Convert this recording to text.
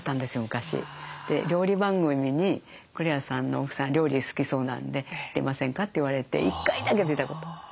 で料理番組に「栗原さんの奥さん料理好きそうなんで出ませんか？」って言われて１回だけ出たことある。